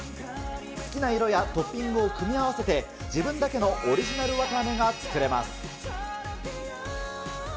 好きな色やトッピングを組み合わせて、自分だけのオリジナルわたあめが作れます。